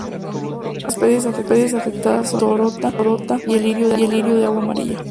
Algunas de estas especies afectadas son la totora y el lirio de agua amarilla.